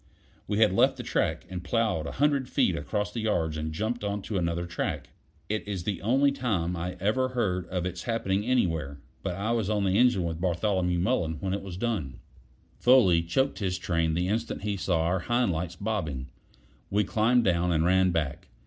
We had left the track and plowed a hundred feet across the yards and jumped on to another track. It is the only time I ever heard of its happening anywhere, but I was on the engine with Bartholomew Mullen when it was done. Foley choked his train the instant he saw our hind lights bobbing. We climbed down, and ran back.